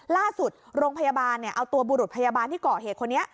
โรงพยาบาลเอาตัวบุรุษพยาบาลที่เกาะเหตุคนนี้